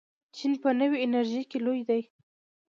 چین په نوې انرژۍ کې لوی دی.